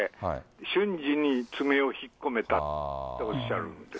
瞬時に爪を引っ込めたっておっしゃるんです。